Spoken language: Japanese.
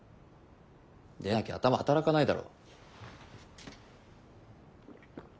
でなきゃ頭働かないだろ。